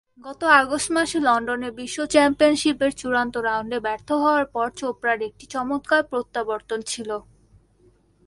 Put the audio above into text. গত আগস্ট মাসে লন্ডনে বিশ্ব চ্যাম্পিয়নশিপের চূড়ান্ত রাউন্ডে ব্যর্থ হওয়ার পর চোপড়ার একটি চমৎকার প্রত্যাবর্তন ছিল।